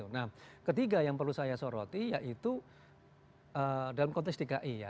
nah ketiga yang perlu saya soroti yaitu dalam konteks dki ya